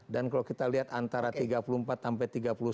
dan kalau kita lihat antara tiga puluh empat sampai tiga puluh sembilan